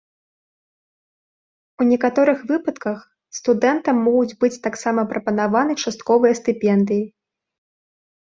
У некаторых выпадках студэнтам могуць быць таксама прапанаваны частковыя стыпендыі.